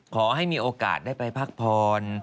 ขอให้มีโอกาสได้ไปพักผ่อน